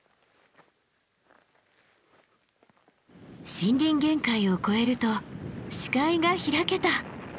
森林限界を超えると視界が開けた。